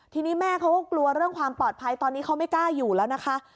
ทีนี้แม่เขาก็กลัวเรื่องความปลอดภัยตอนนี้เขาไม่กล้าอยู่แล้วนะคะ